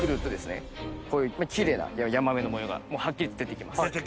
こういうキレイなヤマメの模様がはっきりと出て来ます。